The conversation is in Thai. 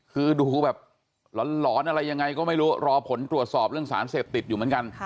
คือดูแบบหลอนอะไรยังไงก็ไม่รู้รอผลตรวจสอบเรื่องสารเสพติดอยู่เหมือนกัน